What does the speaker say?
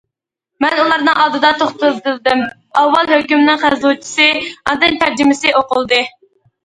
مەن ئۇلارنىڭ ئالدىدا توختىتىلدىم، ئاۋۋال ھۆكۈمنىڭ خەنزۇچىسى، ئاندىن تەرجىمىسى ئوقۇلدى.